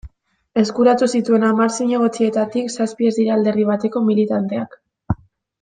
Eskuratu zituen hamar zinegotzietatik, zazpi ez dira alderdi bateko militanteak.